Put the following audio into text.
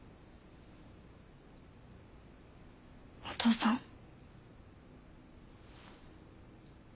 お父さん？